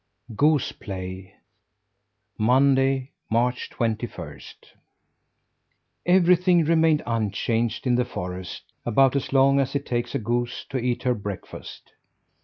GOOSE PLAY Monday, March twenty first. Everything remained unchanged in the forest about as long as it takes a goose to eat her breakfast.